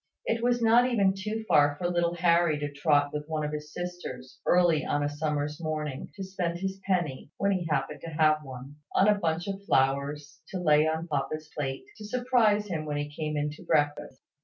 It was not even too far for little Harry to trot with one of his sisters, early on a summer's morning, to spend his penny (when he happened to have one) on a bunch of flowers, to lay on papa's plate, to surprise him when he came in to breakfast.